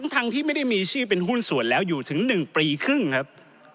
ทั้งที่ไม่ได้มีชื่อเป็นหุ้นส่วนแล้วอยู่ถึง๑ปีครึ่งครับ